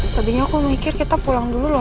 tadinya aku mikir kita pulang dulu loh